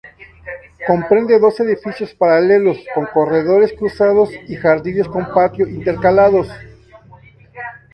Comprende dos edificios paralelos con corredores cruzados y jardines con patio intercalados.